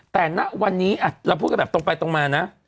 แต่ณวันนี้เราพูดกันแบบตรงไปตรงมานะ